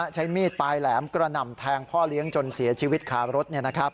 ใช้มีดปลายแหลมกระหน่ำแทงพ่อเลี้ยงจนเสียชีวิตคารถ